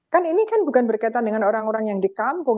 kan ini kan bukan berkaitan dengan orang orang yang di kampung